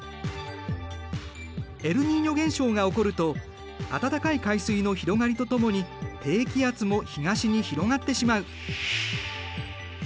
エルニーニョ現象が起こると温かい海水の広がりとともに低気圧も東に広がってしまう。